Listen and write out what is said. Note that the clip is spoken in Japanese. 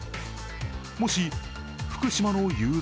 もし福島のゆう